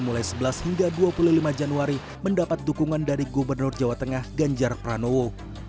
mulai sebelas hingga dua puluh lima januari mendapat dukungan dari gubernur jawa tengah ganjar pranowo